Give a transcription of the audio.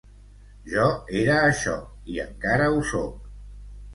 Jo era això, i encara ho sóc.